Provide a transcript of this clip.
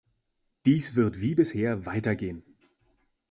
Dies wird wie bisher weitergehen.